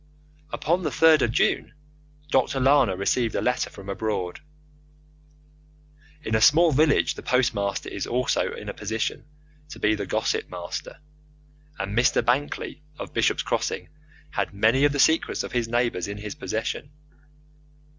Upon the 3rd of June Dr. Lana received a letter from abroad. In a small village the postmaster is also in a position to be the gossip master, and Mr. Bankley, of Bishop's Crossing, had many of the secrets of his neighbours in his possession.